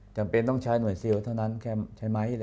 จำเป็นต้องใช้หน่วยซีลเท่านั้นแค่ใช้ไม้อะไรแน่